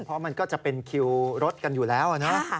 เพราะมันก็จะเป็นคิวรถกันอยู่แล้วนะ